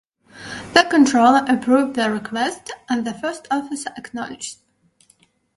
The controller approved the request and the first officer acknowledged.